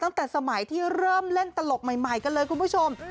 ตั้งแต่สมัยที่เริ่มเล่นตลกใหม่กันเลยคุณผู้ชม